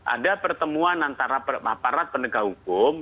ada pertemuan antara aparat penegak hukum